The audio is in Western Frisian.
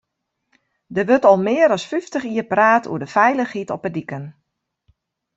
Der wurdt al mear as fyftich jier praat oer de feilichheid op de diken.